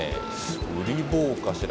ウリボウかしら？